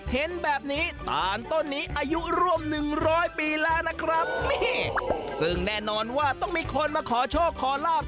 เห็นแบบนี้ตานต้นนี้อายุร่วมหนึ่งร้อยปีแล้วนะครับซึ่งแน่นอนว่าต้องมีคนมาขอโชคขอลาบ